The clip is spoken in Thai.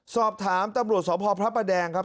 สอบถามตำรวจสพพระประแดงครับ